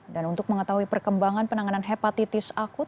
dan untuk mengetahui perkembangan penanganan hepatitis akut